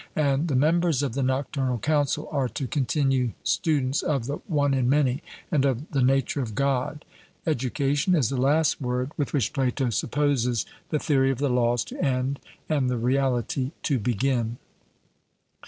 And the members of the Nocturnal Council are to continue students of the 'one in many' and of the nature of God. Education is the last word with which Plato supposes the theory of the Laws to end and the reality to begin.